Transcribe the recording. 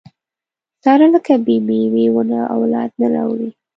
ساره لکه بې مېوې ونه اولاد نه راوړي.